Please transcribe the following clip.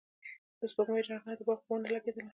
د سپوږمۍ رڼا د باغ په ونو لګېدله.